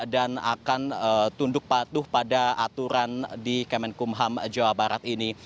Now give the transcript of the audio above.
dan akan tunduk patuh pada aturan di kemenkumham jawa barat ini